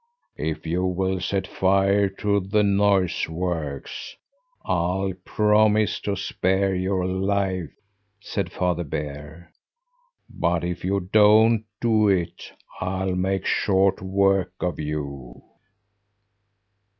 "If you will set fire to the noise works, I'll promise to spare your life," said Father Bear. "But if you don't do it, I'll make short work of you!"